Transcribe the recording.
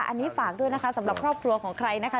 อันนี้ฝากด้วยนะคะสำหรับครอบครัวของใครนะคะ